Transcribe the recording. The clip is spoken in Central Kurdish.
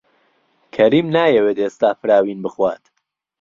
کەریم نایەوێت ئێستا فراوین بخوات.